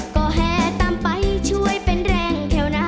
ก็แห้ตามไปช่วยเป็นแรงแข่วหน้า